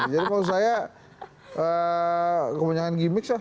jadi kalau saya kebanyakan gimmicks lah